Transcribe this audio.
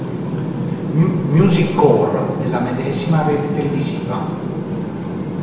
Music Core" della medesima rete televisiva.